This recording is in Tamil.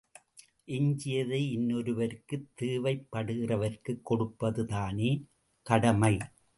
எஞ்சியதை இன்னொருவருக்கு தேவைப் படுகிறவருக்குக் கொடுப்பதுதானே கடமை?